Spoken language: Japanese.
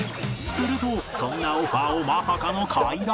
するとそんなオファーをまさかの快諾